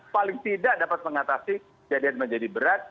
paling tidak dapat mengatasi kejadian menjadi berat